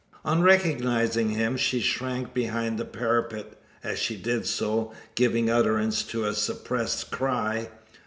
On recognising him, she shrank behind the parapet as she did so, giving utterance to a suppressed cry.